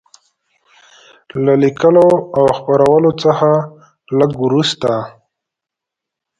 له لیکلو او خپرولو څخه لږ وروسته.